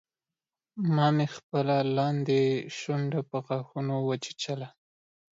ما مې خپله لاندۍ شونډه په غاښونو وچیچله